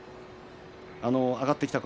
上がってきたころ